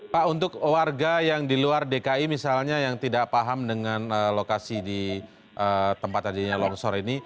pak untuk warga yang di luar dki misalnya yang tidak paham dengan lokasi di tempat adanya longsor ini